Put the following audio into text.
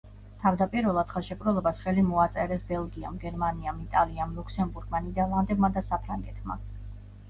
თავდაპირველად ხელშეკრულებას ხელი მოაწერეს ბელგიამ, გერმანიამ, იტალიამ, ლუქსემბურგმა, ნიდერლანდებმა და საფრანგეთმა.